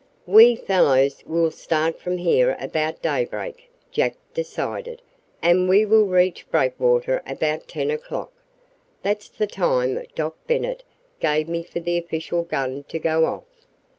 "We fellows will start from here about daybreak," Jack decided, "and we will reach Breakwater about ten o'clock. That's the time Doc Bennet gave me for the official gun to go off."